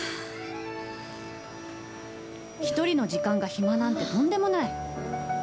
１人の時間が暇なんてとんでもない！